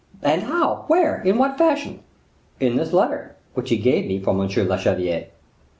"And how? where? in what fashion?" "In this letter, which he gave me for monsieur le chevalier."